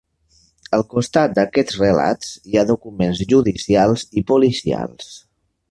Al costat d'aquests relats hi ha documents judicials i policials.